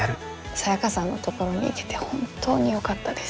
サヤカさんのところに行けて本当によかったです。